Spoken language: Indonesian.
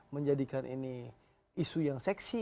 menjadikan ini isu yang seksi